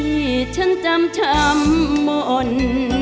ที่ฉันจำช้ำมน